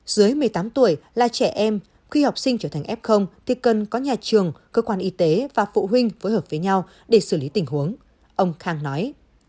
dưới một mươi tám tuổi là trẻ em khi học sinh trở thành f thì cần có nhà trường cơ quan y tế và phụ huynh phối hợp với nhau để xử lý tình huống ông khang nói